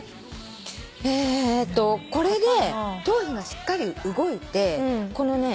えっとこれで頭皮がしっかり動いてこのね